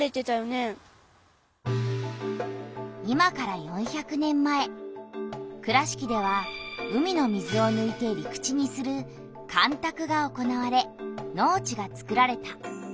今から４００年前倉敷では海の水をぬいて陸地にする干たくが行われ農地がつくられた。